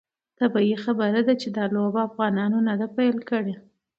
طبیعي خبره ده چې دا لوبه افغانانو نه ده پیل کړې.